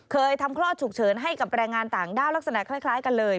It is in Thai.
เคยทำคลอดฉุกเฉินให้กับแรงงานต่างด้าวลักษณะคล้ายกันเลย